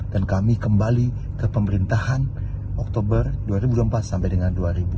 dan kami kembali ke pemerintahan oktober dua ribu dua puluh empat sampai dengan dua ribu dua puluh sembilan